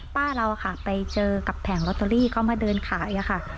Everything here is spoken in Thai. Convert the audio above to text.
ป้าเราค่ะไปเจอกับแผงลอตเตอรี่เขามาเดินขายค่ะ